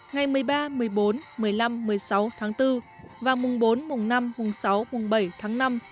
ngày một mươi ba một mươi bốn một mươi năm một mươi sáu tháng bốn và mùng bốn mùng năm mùng sáu mùng bảy tháng năm